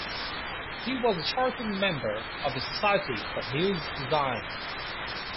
He was a charter member of the Society for News Design.